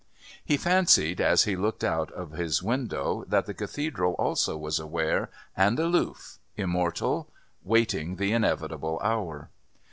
He fancied, as he looked out of his window, that the Cathedral also was aware and, aloof, immortal, waited the inevitable hour.